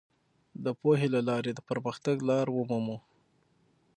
د پوهې له لارې د پرمختګ لار ومومو.